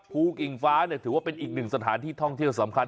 กิ่งฟ้าถือว่าเป็นอีกหนึ่งสถานที่ท่องเที่ยวสำคัญ